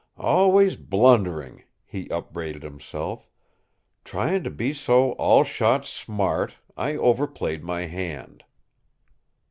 "Always blundering!" he upbraided himself. "Trying to be so all shot smart, I overplayed my hand."